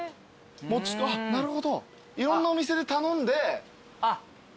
なるほどいろんなお店で頼んで。